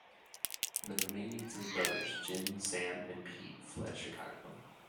The remaining three brothers Jim, Sam, and Pete fled Chicago.